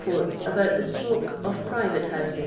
rt ab.iut th smoko of piivate hows.*.